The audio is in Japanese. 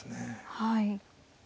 はい。